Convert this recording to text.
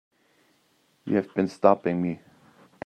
You have been stopping me.